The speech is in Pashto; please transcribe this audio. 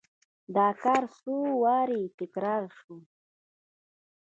دا کار څو وارې تکرار شو.